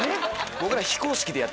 僕ら。